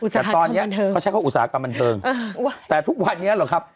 แต่ตอนนี้เขาใช้เขาอุตสาหกรรมบันเทิงแต่ทุกวันนี้หรอกครับ